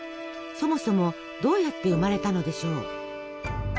そもそもどうやって生まれたのでしょう。